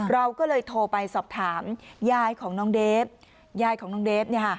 เราก็เลยโทรไปสอบถามยายของน้องเดฟยายของน้องเดฟ